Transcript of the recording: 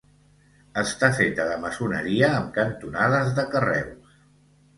Està feta de maçoneria amb cantonades de carreus.